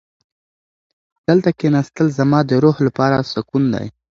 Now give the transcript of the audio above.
دلته کښېناستل زما د روح لپاره سکون دی.